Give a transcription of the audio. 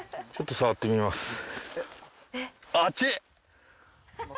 ちょっと触ってみます。